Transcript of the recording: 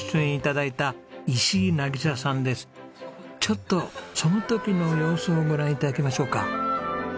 ちょっとその時の様子をご覧頂きましょうか。